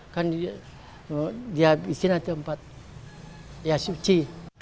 kan dia di sini nanti empat ya suci